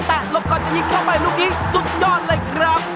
หลบก่อนจะยิงเข้าไปลูกนี้สุดยอดเลยครับ